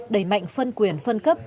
đầy mạnh phân quyền phân cấp